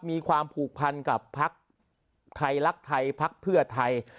มีความผูกพันกับพักไทยรักไทยพักเพื่อไทย